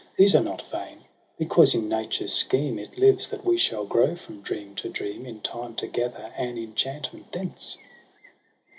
These are not vain, because in nature's scheme It lives that we shall grow from dream to dream In time to gather an enchantment thence.